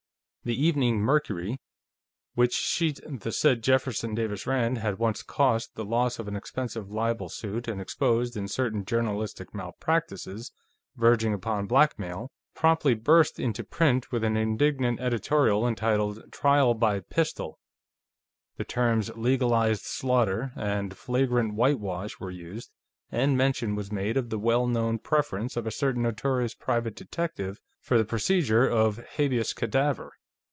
The Evening Mercury, which sheet the said Jefferson Davis Rand had once cost the loss of an expensive libel suit and exposed in certain journalistic malpractices verging upon blackmail, promptly burst into print with an indignant editorial entitled Trial by Pistol. The terms: "legalized slaughter," and "flagrant whitewash," were used, and mention was made of "the well known preference of a certain notorious private detective for the procedure of habeas cadaver."